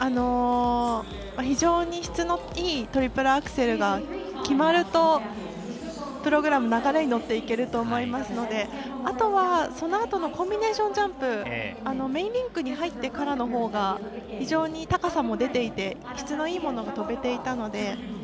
非常に質のいいトリプルアクセルが決まるとプログラム、流れに乗っていけると思いますのであとは、そのあとのコンビネーションジャンプメインリンクに入ってからのほうが非常に高さも出ていて質のいいものが跳べていたので。